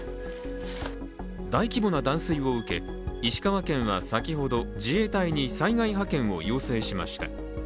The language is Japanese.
大規模な断水を受け、石川県は先ほど自衛隊に災害派遣を要請しました。